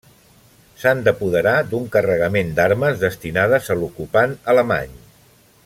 S'han d'apoderar d'un carregament d'armes destinades a l'ocupant alemany.